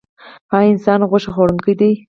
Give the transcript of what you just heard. ایا انسان غوښه خوړونکی دی؟